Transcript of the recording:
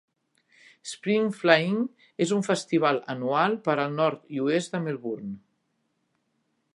"Spring Fling" és un festival anual per al nord i oest de Melbourne.